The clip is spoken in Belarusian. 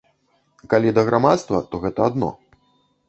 Калі да грамадства, то гэта адно.